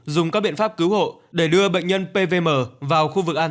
dùng các biện pháp cứu hộ để đưa bệnh nhân pvm vào khu vực an toàn